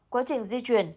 quá trình di chuyển